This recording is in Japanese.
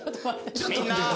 みんな！